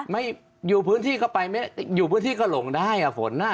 ไม่อยู่พื้นที่ก็ไปอยู่พื้นที่ก็หลงได้ฝน